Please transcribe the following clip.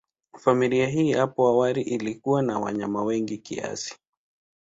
Familia hii hapo awali ilikuwa na wanyama wengi kiasi.